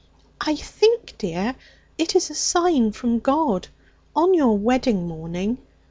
'I think, dear, it is a sign from God. On your wedding morning!